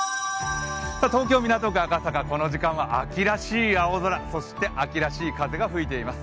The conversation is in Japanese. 東京・港区赤坂、この時間は秋らしい青空、そして秋らしい風が吹いています。